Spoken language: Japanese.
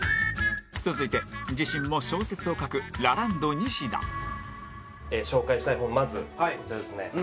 続いて自身も小説を書くラランドニシダ紹介したい本まずこちらですね。